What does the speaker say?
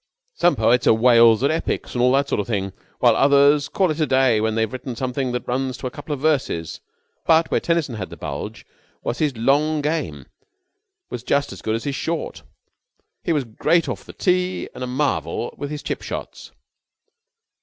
"Some poets are whales at epics and all that sort of thing, while others call it a day when they've written something that runs to a couple of verses, but where Tennyson had the bulge was that his long game was just as good as his short. He was great off the tee and a marvel with his chip shots."